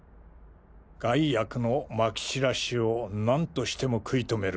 害悪のまき散らしを何としても食い止める。